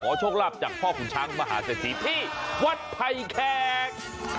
โชคลาภจากพ่อขุนช้างมหาเศรษฐีที่วัดไผ่แขก